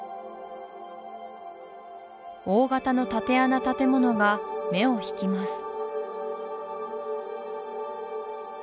大型の竪穴建物が目を引きます